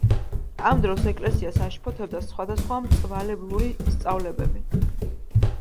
ამ დროს ეკლესიას აშფოთებდა სხვადასხვა მწვალებლური სწავლებები.